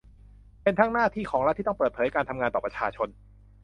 เป็นทั้งหน้าที่ของรัฐที่ต้องเปิดเผยการทำงานต่อประชาชน